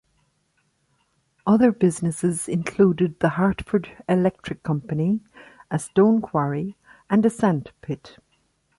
Other businesses included the Hartford Electric Company, a stone quarry, and a sand pit.